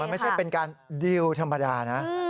ไม่ใช่เป็นการดีลธรรมดานะ